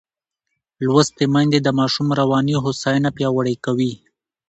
لوستې میندې د ماشوم رواني هوساینه پیاوړې کوي.